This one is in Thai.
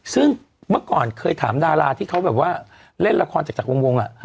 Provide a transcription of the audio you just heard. ซึ่งเมื่อก่อนเคยถามดาราที่เขาแบบว่าเล่นละครจากวง